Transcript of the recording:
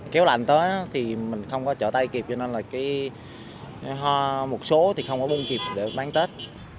kéo lạnh tới thì mình không có trở tay kịp cho nên là hoa một số thì không có bung kịp để bán tết